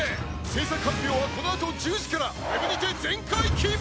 制作発表はこのあと１０時から ＷＥＢ にて全解禁！